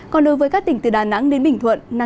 còn đối với các tỉnh từ đà nẵng đến bình thuận